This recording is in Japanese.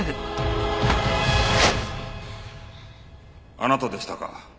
あなたでしたか。